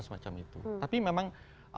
semacam itu tapi memang